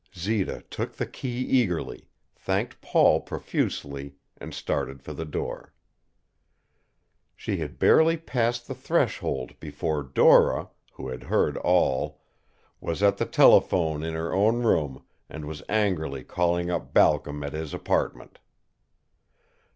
Zita took the key eagerly, thanked Paul profusely, and started for the door. She had barely passed the threshold before Dora, who had heard all, was at the telephone in her own room and was angrily calling up Balcom at his apartment.